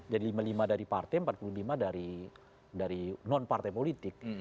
jadi lima puluh lima dari partai empat puluh lima dari non partai politik